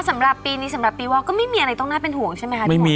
แม่บ้านพระจันทร์บ้าน